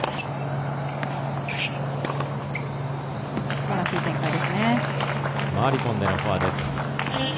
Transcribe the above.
すばらしい展開ですね。